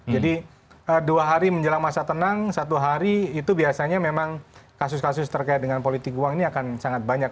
jadi dua hari menjelang masa tenang satu hari itu biasanya memang kasus kasus terkait dengan politik uang ini akan sangat banyak